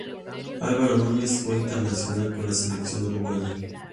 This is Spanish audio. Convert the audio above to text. Álvaro Núñez fue internacional con la selección uruguaya.